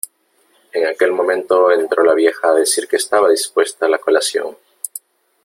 en aquel momento entró la vieja a decir que estaba dispuesta la colación .